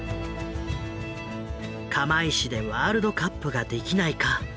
釜石でワールドカップができないか。